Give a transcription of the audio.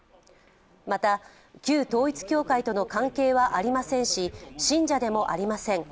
また、旧統一教会との関係はありませんし信者でもありません。